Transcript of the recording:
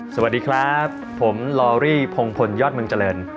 สวัสดีครับผมลอรี่พงพลยอดเมืองเจริญ